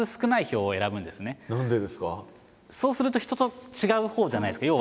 そうすると人と違うほうじゃないですか。